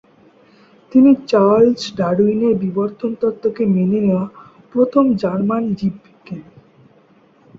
তিনি চার্লস ডারউইনের বিবর্তন তত্ত্বকে মেনে নেয়া প্রথম জার্মান জীববিজ্ঞানী।